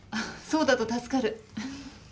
そうだと助かる。